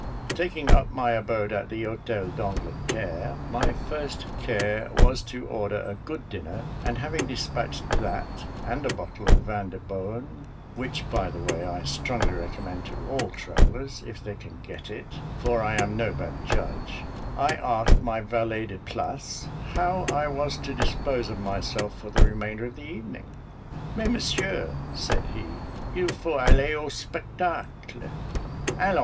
Taking up my abode at the Hôtel d'Angleterre, my first care was to order a good dinner; and having despatched that, and a bottle of Vin de Beaune (which, by the by, I strongly recommend to all travellers, if they can get it, for I am no bad judge), I asked my valet de place how I was to dispose of myself for the remainder of the evening? "Mais, monsieur," said he, "il faut aller au spectacle?"